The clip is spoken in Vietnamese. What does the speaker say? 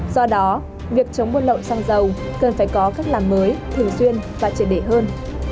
do đó việc chống buôn lậu xăng dầu cần phải có các làm mới thường xuyên và truyền đề hơn